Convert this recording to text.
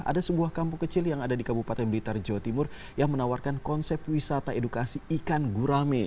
ada sebuah kampung kecil yang ada di kabupaten blitar jawa timur yang menawarkan konsep wisata edukasi ikan gurame